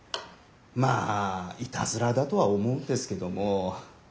まあイタズラだとは思うんですけども。